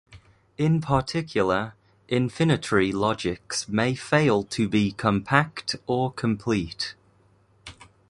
In particular, infinitary logics may fail to be compact or complete.